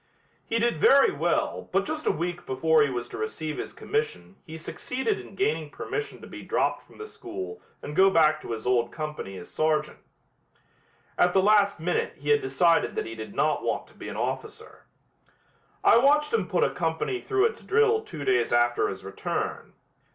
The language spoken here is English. He did very well but just a week before he was to receive his commission he succeeded in gaining permission to be dropped from the school and go back to his old company as sergeant. At the last minute he had decided that he did not want to be an officer. I watched him put a company through its drill two days after his return.